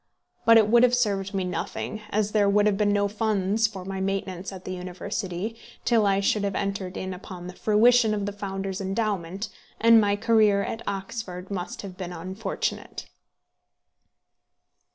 But it would have served me nothing, as there would have been no funds for my maintenance at the University till I should have entered in upon the fruition of the founder's endowment, and my career at Oxford must have been unfortunate.